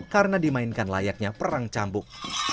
karena dimainkan layaknya perang cambuk